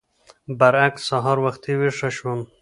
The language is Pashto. برعکس سهار وختي ويښه شوم.